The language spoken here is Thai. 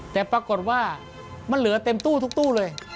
แต่ปรากฏว่ามันเหลือเต็มตู้ทุกตู้เลย